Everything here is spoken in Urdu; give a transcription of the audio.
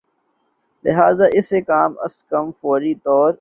لہذا اسے کم از کم فوری طور